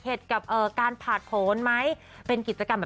แต่ทั้งนี้ทั้งนั้นก็ต้องถูกยืนตัวเขาเองแล้วค่ะ